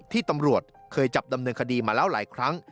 ที่ตำรวจเคยจับดำเนินคดีมาแล้วหลายครั้ง